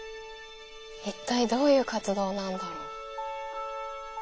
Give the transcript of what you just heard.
一体どういう活動なんだろう。